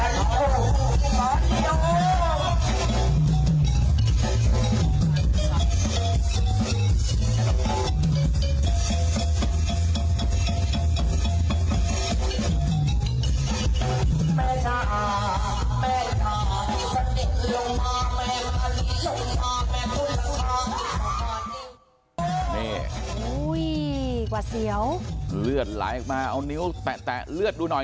เนี่ยอุ้ยกว่าเสียวเลือดหลายมาเอานิ้วแตะแตะเลือดดูหน่อย